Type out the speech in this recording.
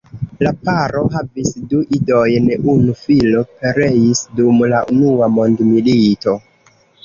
La paro havis du idojn; unu filo pereis dum la unua mondmilito.